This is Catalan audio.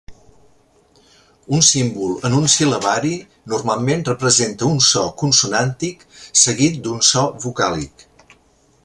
Un símbol en un sil·labari normalment representa un so consonàntic seguit d'un so vocàlic.